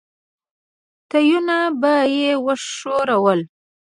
تيونه به يې وښورول.